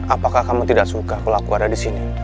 apakah kamu tidak suka kalau aku ada disini